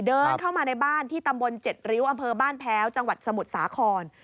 เดินเข้ามาในบ้านที่ตำบล๗ริ้วอำเภอบ้านแพ้วจังหวัดสมุทรสาคร